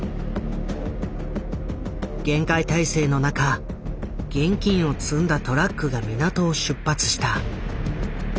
厳戒態勢の中現金を積んだトラックが港を出発した。